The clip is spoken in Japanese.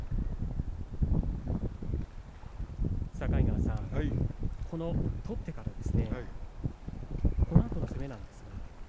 境川さん、取ってからこのあとの攻めですが。